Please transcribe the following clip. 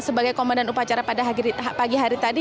sebagai komandan upacara pada pagi hari tadi